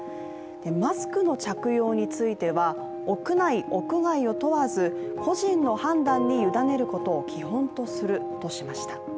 マスクの着用については屋内・屋外を問わず個人の判断に委ねることを基本とするとしましした。